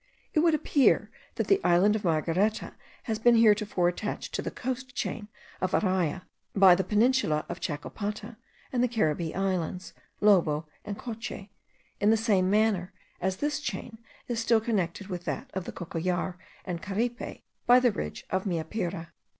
It would appear that the island of Margareta has been heretofore attached to the coast chain of Araya by the peninsula of Chacopata and the Caribbee islands, Lobo and Coche, in the same manner as this chain is still connected with that of the Cocollar and Caripe by the ridge of Meapire.